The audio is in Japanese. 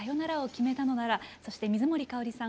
そして水森かおりさん